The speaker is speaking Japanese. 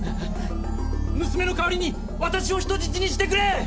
むすめの代わりに私を人質にしてくれ！